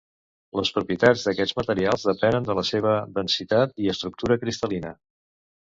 Les propietats d'aquests materials depenen de la seva densitat i estructura cristal·lina.